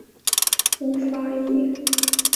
无法以佃农身分参加农保